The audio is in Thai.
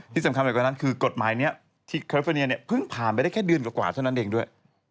ที่สำคัญไปกว่านั้นคือกฎหมายนี้ที่เครฟเฟอร์เนียเนี่ยเพิ่งผ่านไปได้แค่เดือนกว่าเท่านั้นเองด้วย